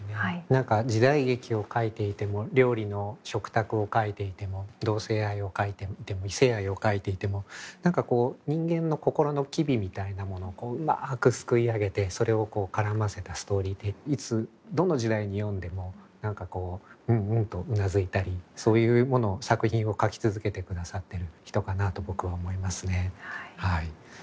何か時代劇を書いていても料理の食卓を書いていても同性愛を書いていても異性愛を書いていても何かこう人間の心の機微みたいなものをうまくすくい上げてそれをこう絡ませたストーリーでいつどの時代に読んでも何かこううんうんとうなずいたりそういうものを作品を書き続けてくださってる人かなと僕は思いますねはい。